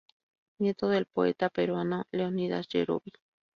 Nieto del poeta peruano Leonidas Yerovi.